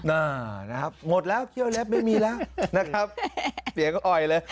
อ่านะครับหมดแล้วไม่มีแล้วนะครับเพียงออยเลย